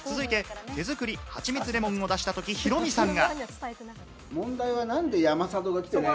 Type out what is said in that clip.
続いて、手作り蜂蜜レモンを出したとき、ヒロミさんが。